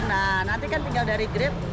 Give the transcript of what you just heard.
nah nanti kan tinggal dari grade